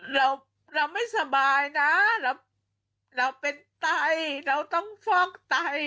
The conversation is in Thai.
เราเราไม่สบายนะเราเป็นไตเราต้องฟอกไต